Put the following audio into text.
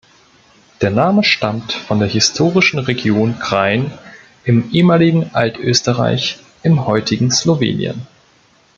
Der Name stammt von der historischen Region Krain im ehemaligen Altösterreich, im heutigen Slowenien.